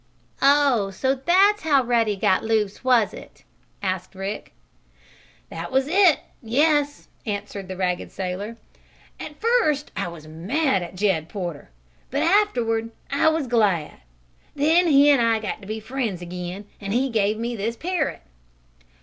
"Oh, so that's how Ruddy got loose, was it?" asked Rick. "That was it; yes," answered the ragged sailor. "At first I was mad at Jed Porter, but afterward I was glad. Then he and I got to be friends again, and he gave me this parrot."